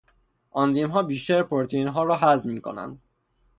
آنزیمها بیشتر پروتئینها را هضم میکنند.